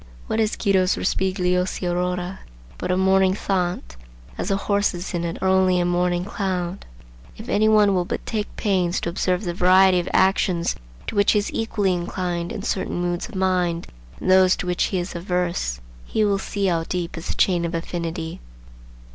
What is Guido's Rospigliosi Aurora but a morning thought, as the horses in it are only a morning cloud? If any one will but take pains to observe the variety of actions to which he is equally inclined in certain moods of mind, and those to which he is averse, he will see how deep is the chain of affinity.